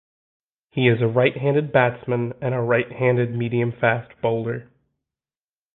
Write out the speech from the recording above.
He is a right-handed batsman and a right-handed medium-fast bowler.